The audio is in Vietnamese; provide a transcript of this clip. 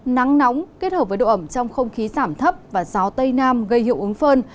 nắng nóng kết hợp với độ ẩm trong không khí giảm thấp và gió tây nam gây hiệu ứng phơn